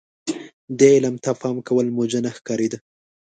دې علم ته پام کول موجه نه ښکارېده.